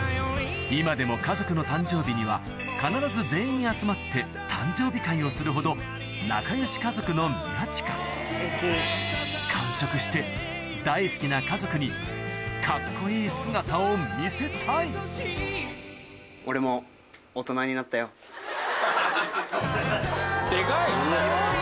今でも家族の誕生日には必ず全員集まって誕生日会をするほど仲良し家族の宮近完食して大好きな家族に・デカい！